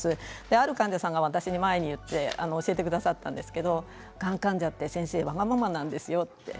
ある患者さんが私に、前に言って教えてくださったんですけれどがん患者って、先生わがままなんですよって。